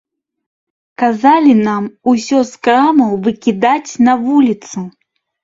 Казалі нам усё з крамаў выкідаць на вуліцу.